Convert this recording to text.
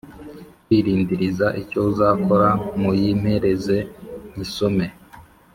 kwirindiririza icyo uzakora muyimpereze nyisome